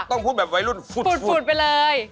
ต้องพูดแบบวัยรุ่นฟูดไปเลยกับฟูดไปเลย